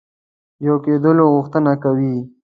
یو کېدلو غوښتنه کوي.